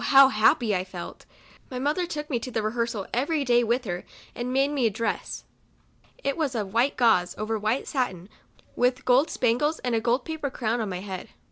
how happy I felt. My mother took me to the rehearsal every day with her, and made me a (Jress. It was of white gauze, over white satin, with gold spangles, and a gold paper crown on my head.